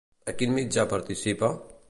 A quin mitjà participa?